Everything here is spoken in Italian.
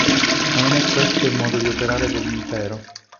Ma non è questo il modo di operare dell'Impero.